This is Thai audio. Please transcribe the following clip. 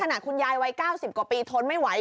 คุณยายวัย๙๐กว่าปีทนไม่ไหว